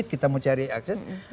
kita mau cari akses